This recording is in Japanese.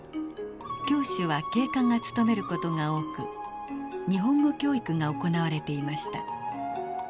教師は警官が務める事が多く日本語教育が行われていました。